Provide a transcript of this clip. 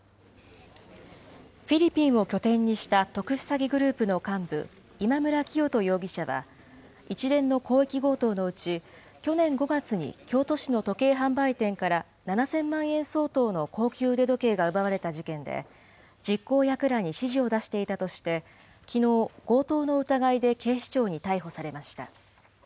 フィリピンを拠点にした特殊詐欺グループの幹部、今村磨人容疑者は、一連の広域強盗のうち、去年５月に京都市の時計販売店から７０００万円相当の高級腕時計が奪われた事件で、実行役らに指示を出していたとして、きのう、強盗の疑いで警視庁に逮捕されました。